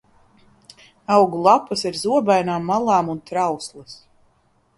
Augu lapas ir zobainām malām un trauslas.